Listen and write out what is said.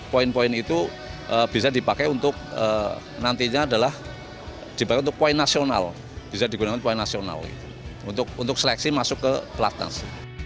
poin poin itu bisa dipakai untuk nantinya adalah dipakai untuk poin nasional bisa digunakan poin nasional untuk seleksi masuk ke pelatnas